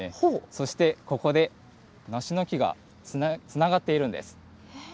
そして、ここで梨の木がつながっているんです。